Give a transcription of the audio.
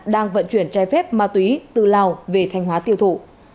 đang vận chuyển trái phép ma túy từ lào về thanh hóa tiêu thụ